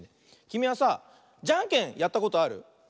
きみはさじゃんけんやったことある？